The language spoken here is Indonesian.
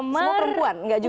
ini semua perempuan nggak juga